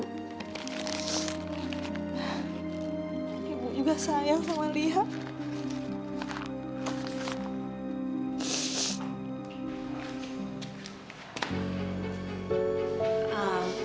ibu juga sayang sama lihat